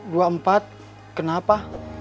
dua empat kenapa